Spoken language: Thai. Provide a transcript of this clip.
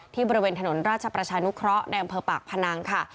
บริเวณถนนราชประชานุเคราะห์ในอำเภอปากพนังค่ะ